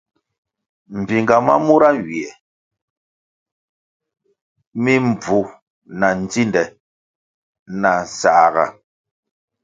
Mbpinga ma mura nywie mi mbvu na ndzinde na nsãhga.